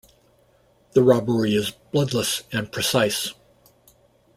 The robbery is bloodless and precise.